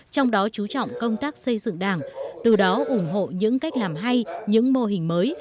trong đó chú trọng công tác xây dựng đảng từ đó ủng hộ những cách làm hay những mô hình mới